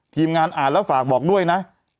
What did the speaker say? ทีมงานอ่านแล้วฝากบอกด้วยนะ